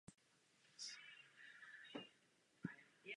Zdá se, že administrativní chyby se uznávají a napravují.